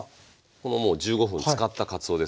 もう１５分漬かったかつおです。